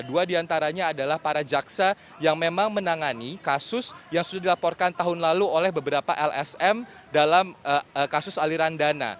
dua diantaranya adalah para jaksa yang memang menangani kasus yang sudah dilaporkan tahun lalu oleh beberapa lsm dalam kasus aliran dana